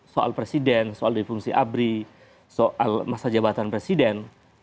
soal presiden soal defungsi abri soal masa jabatan presiden